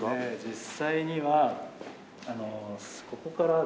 実際にはここからですね